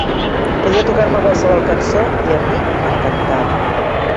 Podia tocar-me qualsevol cançó i a mi m'encantava.